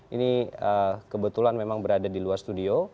ini kebetulan memang berada di luar studio